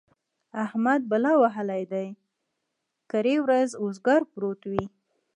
احمد بلا وهلی دی؛ کرۍ ورځ اوزګار پروت وي.